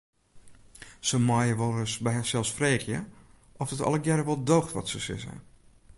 Se meie wolris by harsels freegje oft it allegearre wol doocht wat se sizze.